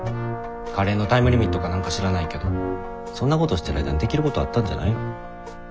カレーのタイムリミットか何か知らないけどそんなことしてる間にできることあったんじゃないの？